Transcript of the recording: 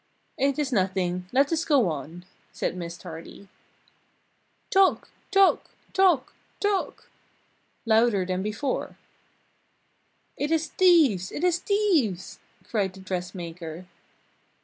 "It is nothing, let us go on!" said Miss Tardy. "Toc! Toc! Toc! Toc!" louder than before. "It is thieves! It is thieves!" cried the dressmaker.